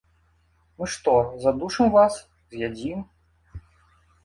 Мы што, задушым вас, з'ядзім?